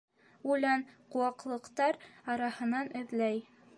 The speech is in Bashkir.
Үлән, ҡыуаҡлыҡтар араһынан эҙләй.